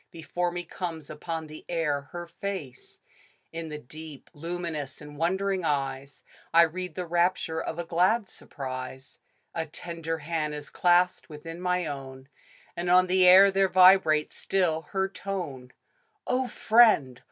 Before me comes upon the air her face. In the deep, luminous and wondering eyes I read the rapture of a glad surprise ; A tender hand is clasped within my own, And on the air there vibrates still her tone. O Friend